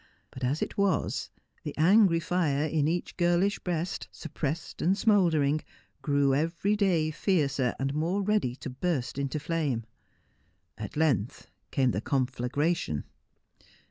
But, as it was, the angry fire in each girlish breast, suppressed and smouldering, grow every day fiercer and more ready to burst into flame. At length came the conflagration.